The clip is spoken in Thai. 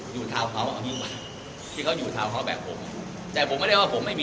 อยู่เทาเทาเอาอันนี้มาที่เขาอยู่เทาเทาแบบผม